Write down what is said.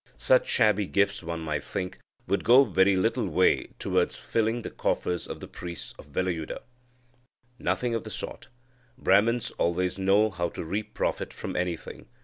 Such shabby gifts, one might think, would go very little way towards filling the coffers of the priests of Velayuda. Nothing of the sort: Brahmins always know how to reap profit from anything.